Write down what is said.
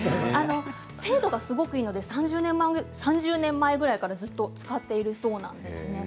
精度がすごくいいので３０年前ぐらいからずっと使っているそうなんですね。